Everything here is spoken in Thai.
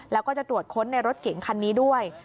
แล้วก็จะตรวจค้นในรถเก๋งคันนี้ด้วย